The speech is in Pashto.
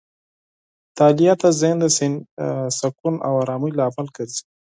مطالعه د ذهني سکون او آرامۍ لامل ګرځي.